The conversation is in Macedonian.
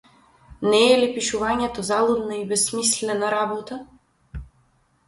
Не е ли пишувањето залудна и бесмислена работа?